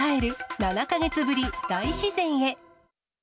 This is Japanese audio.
７か月ぶり大自然へ。